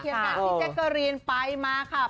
เคียงการที่แจ๊กเกอรีนไปมาค่ะ